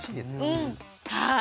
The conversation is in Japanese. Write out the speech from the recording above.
うんはい。